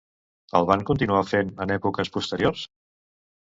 Es van continuar fent en èpoques posteriors?